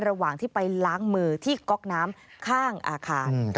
ระหว่างที่ไปล้างมือที่ก๊อกน้ำข้างอาคาร